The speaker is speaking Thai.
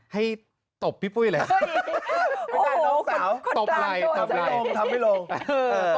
ให้ตบพี่ปุ้ยแหละโอ้โหสาวตบไล่ตบไล่ทำไม่ลงเออ